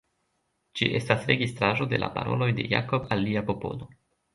Ĝi estas registraĵo de la paroloj de Jakob al lia popolo.